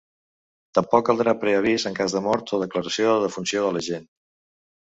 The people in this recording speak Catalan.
Tampoc caldrà preavís en cas de mort o declaració de defunció de l'agent.